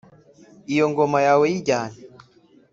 iyo ngoma yawe yijyane